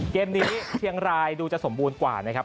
เกมนี้เชียงรายดูจะสมบูรณ์กว่านะครับ